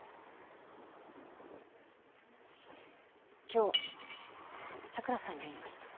今日桜さんに会いました。